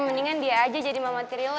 mendingan dia aja jadi mama tiri lo